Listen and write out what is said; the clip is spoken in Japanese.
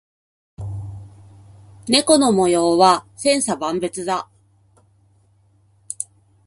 猫の模様は千差万別だ。